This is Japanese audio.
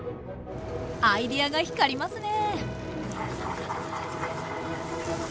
アイデアが光りますね